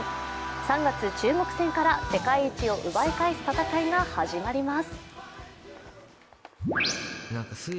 ３月、中国戦から世界一を奪い返す戦いが始まります。